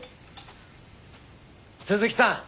鈴木さん。